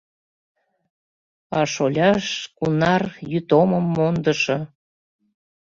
А шоляш, кунар йӱд омым мондышо: